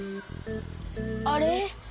あれ？